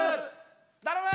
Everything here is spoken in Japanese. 頼む！